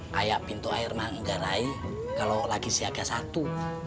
kayak pintu air manggarai kalau lagi siaga satu